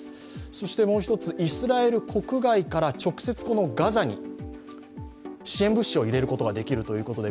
そしてもう１つ、イスラエル国外から直接ガザに支援物資を入れることができるということで